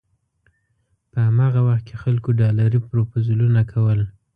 په هماغه وخت کې خلکو ډالري پروپوزلونه کول.